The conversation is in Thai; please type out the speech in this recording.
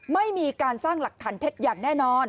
ไม่มีการสร้างหลักฐานเท็จอย่างแน่นอน